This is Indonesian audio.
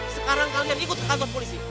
sekarang kalian ikut ke kantor polisi